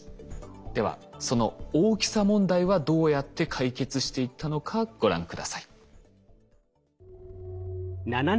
ではその大きさ問題はどうやって解決していったのかご覧下さい。